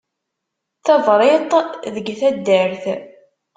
Tabriṭ deg taddart.